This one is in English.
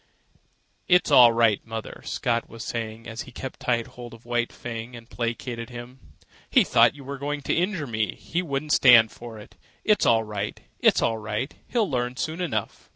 "It's all right, mother," Scott was saying as he kept tight hold of White Fang and placated him. "He thought you were going to injure me, and he wouldn't stand for it. It's all right. It's all right. He'll learn soon enough."